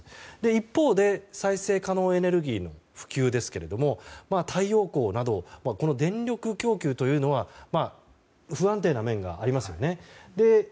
一方で、再生可能エネルギーの普及ですけれども太陽光など電力供給というのは不安定な面があります。